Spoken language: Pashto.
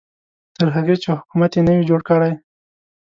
تر هغې چې حکومت یې نه وي جوړ کړی.